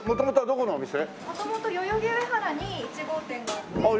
元々代々木上原に１号店があって。